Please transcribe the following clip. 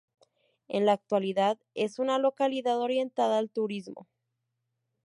En la actualidad es una localidad orientada al turismo.